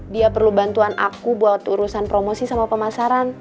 dia perlu bantuan aku buat urusan promosi sama pemasaran